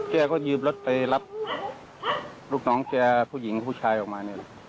แกก็ยืมรถไปรับลูกน้องแกผู้หญิงผู้ชายออกมาเนี่ย